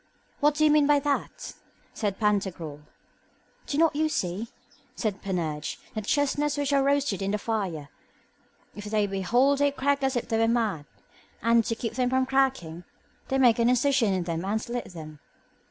What do you mean by that? said Pantagruel. Do not you see, said Panurge, that the chestnuts which are roasted in the fire, if they be whole they crack as if they were mad, and, to keep them from cracking, they make an incision in them and slit them?